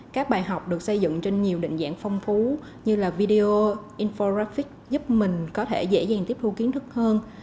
các bài học được xây dựng trên nhiều định dạng phong phú như là video inforaffic giúp mình có thể dễ dàng tiếp thu kiến thức hơn